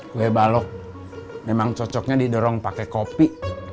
kue balok memang cocoknya didorong pakai kopi